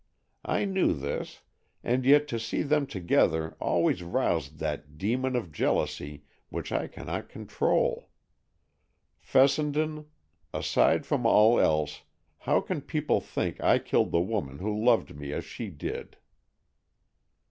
I knew this, and yet to see them together always roused that demon of jealousy which I cannot control. Fessenden, aside from all else, how can people think I killed the woman who loved me as she did?"